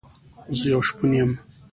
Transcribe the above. زه يو شپون يم